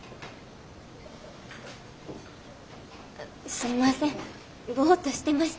すいませんボッとしてました。